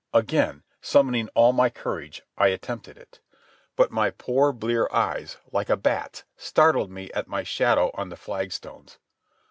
Again, summoning all my courage, I attempted it. But my poor blear eyes, like a bat's, startled me at my shadow on the flagstones.